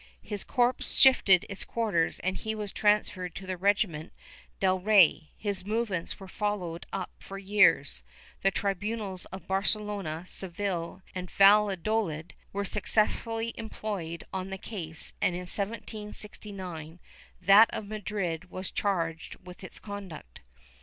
His corps shifted its quarters and he was transferred to the regiment del Rey; his movements were followed up for years, the tribunals of Barcelona, Seville and Valladolid were successively employed on the case and, in 1769, that of Madrid was charged with its conduct.